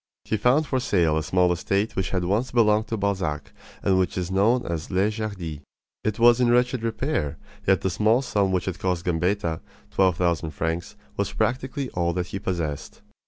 He found for sale a small estate which had once belonged to Balzac, and which is known as Les Jardies. It was in wretched repair; yet the small sum which it cost Gambetta twelve thousand francs was practically all that he possessed.